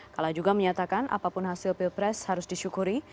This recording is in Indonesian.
kala juga menyatakan apapun hasil pilpres harus disyukuri